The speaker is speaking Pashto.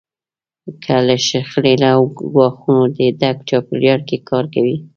که له شخړې او ګواښونو ډک چاپېریال کې کار کوئ.